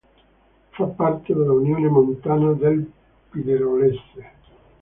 Fa parte della Unione Montana del Pinerolese.